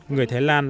người thái lan